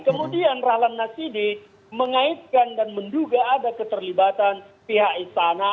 kemudian rahlan nasidi mengaitkan dan menduga ada keterlibatan pihak istana